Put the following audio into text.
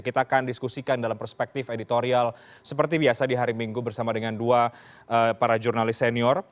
kita akan diskusikan dalam perspektif editorial seperti biasa di hari minggu bersama dengan dua para jurnalis senior